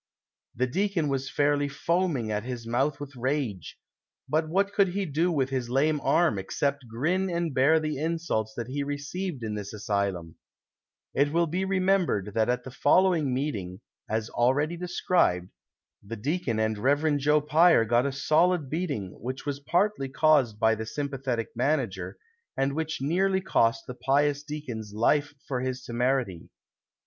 The deacon was fairly foaming at his mouth with rage •, but what could he do with his lame arm, except grin and bear the insults that he received in this asylum V It will be remembered that at the following meeting, as already described, the deacon and Rev. Joe Pier got a solid beat ing, which was partly caused by the sympathetic manager, and which nearly cost the pious deacon's life for his temeritj'.